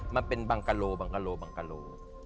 มันเป็นบางกะโล